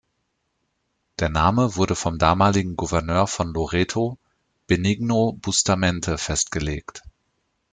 Der Name wurde vom damaligen Gouverneur von Loreto, Benigno Bustamante, festgelegt.